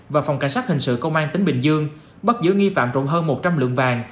và phòng cảnh sát hình sự công an tỉnh bình dương bắt giữ nghi phạm trộm hơn một trăm linh lượng vàng